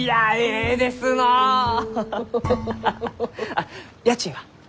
あっ家賃は？